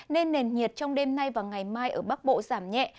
nên nền nhiệt trong đêm nay và ngày mai ở bắc bộ giảm nhẹ